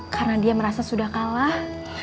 karena dia merasa sudah kalah